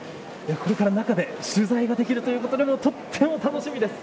これから中で取材ができるということでとても楽しみです。